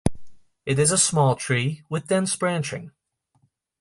It is a small tree, with dense branching.